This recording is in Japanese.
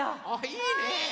いいね！